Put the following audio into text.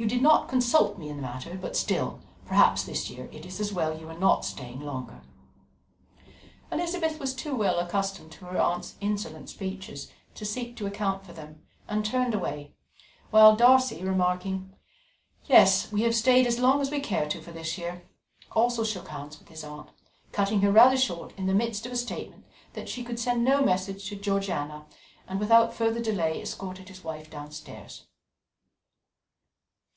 You did not consult me in the matter, but still, perhaps this year it is as well you are not staying longer." Elizabeth was too well accustomed to her aunt's insolent speeches to seek to account for them, and turned away; while Darcy, remarking, "Yes, we have stayed as long as we care to for this year," also shook hands with his aunt, cutting her rather short in the midst of a statement that she could send no message to Georgiana, and without further delay escorted his wife downstairs.